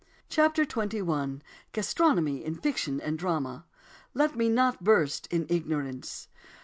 CHAPTER XXI GASTRONOMY IN FICTION AND DRAMA "Let me not burst in ignorance."